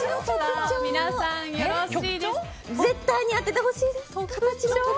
絶対に当ててほしいです。